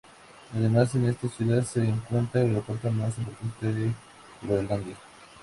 Además en esta ciudad se encuentra el aeropuerto más importante de Groenlandia.